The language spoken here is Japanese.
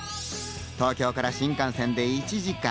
東京から新幹線で１時間。